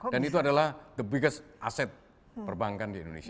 dan itu adalah the biggest asset perbankan di indonesia